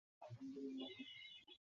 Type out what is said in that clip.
আমি তোমাকে গাড়িতে উঠে বলব।